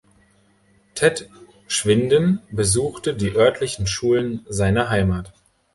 Ted Schwinden besuchte die örtlichen Schulen seiner Heimat.